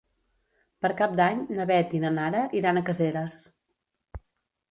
Per Cap d'Any na Beth i na Nara iran a Caseres.